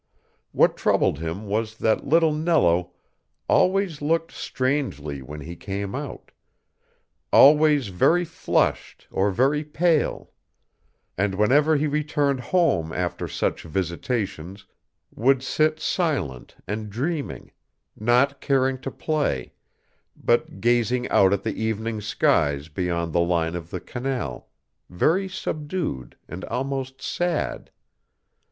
What troubled him was that little Nello always looked strangely when he came out, always very flushed or very pale; and whenever he returned home after such visitations would sit silent and dreaming, not caring to play, but gazing out at the evening skies beyond the line of the canal, very subdued and almost sad.